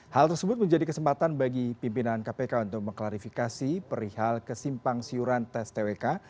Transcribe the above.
hal tersebut menjadi kesempatan bagi pimpinan kpk untuk mengklarifikasi perihal kesimpang siuran tes twk